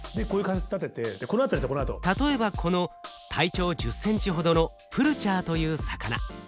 例えばこの体長１０センチほどのプルチャーという魚。